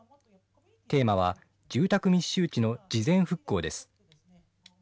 テーマは、住宅密集地の事前復興です。